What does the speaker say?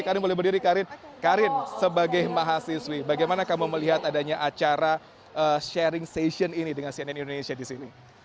kalian boleh berdiri karin sebagai mahasiswi bagaimana kamu melihat adanya acara sharing session ini dengan cnn indonesia di sini